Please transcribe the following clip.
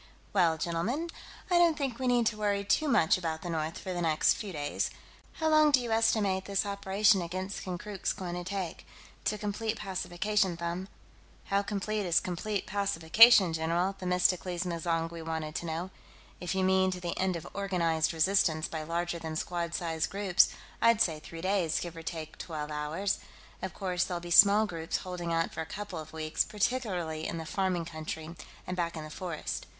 "Well, gentlemen, I don't think we need worry too much about the north, for the next few days. How long do you estimate this operation against Konkrook's going to take, to complete pacification, Them?" "How complete is complete pacification, general?" Themistocles M'zangwe wanted to know. "If you mean to the end of organized resistance by larger than squad size groups, I'd say three days, give or take twelve hours. Of course, there'll be small groups holding out for a couple of weeks, particularly in the farming country and back in the forest...."